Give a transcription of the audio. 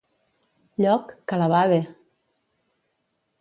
Lloc, que la bade!